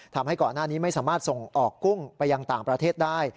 ทำให้ก่อนหน้านี้ไม่สามารถส่งออกกุ้งไปยังต่างประเทศได้